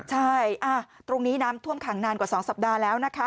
ใช่ตรงนี้น้ำท่วมขังนานกว่า๒สัปดาห์แล้วนะคะ